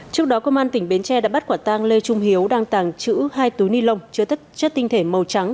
trước đó công an tỉnh bến tre đã bắt quả tang lê trung hiếu đang tàng trữ hai túi ni lông chứa chất tinh thể màu trắng